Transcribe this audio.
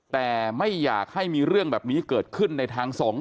แต่ไม่อยากให้มีเรื่องแบบนี้เกิดขึ้นในทางสงฆ์